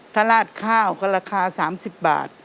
ทาราชข้าวก็ราคาสามสิบบาท